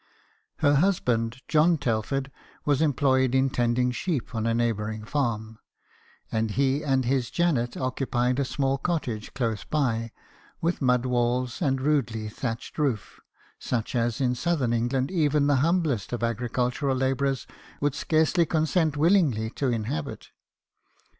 Her husband, John Telford, was employed in tending sheep on a neighbouring farm, and he and his Janet occupied a small cottage close by, with mud walls and rudely thatched roof, such as in southern England even the humblest agricultural labourer would scarcely consent willingly to inhabit.